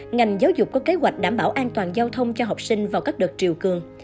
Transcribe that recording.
ngành giáo dục có kế hoạch đảm bảo an toàn giao thông cho học sinh vào các đợt triều cường